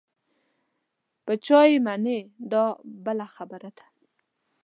په چا یې منې دا بله خبره ده.